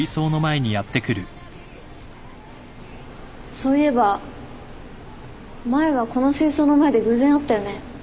そういえば前はこの水槽の前で偶然会ったよね。